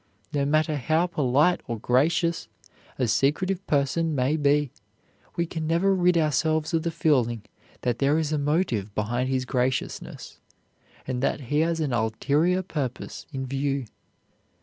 No matter how polite or gracious a secretive person may be, we can never rid ourselves of the feeling that there is a motive behind his graciousness, and that he has an ulterior purpose in view.